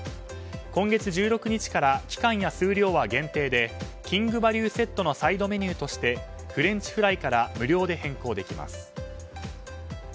今月１６日から機関や数量は限定でキングバリューセットのサイドメニューとしてフレンチフライから無料で変更できます。